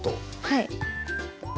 はい。